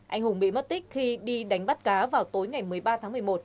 anh hùng bị mất tích khi đi đánh bắt cá vào tối ngày một mươi ba tháng một mươi một